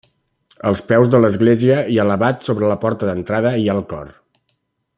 Als peus de l'església i elevat sobre la porta d'entrada hi ha el cor.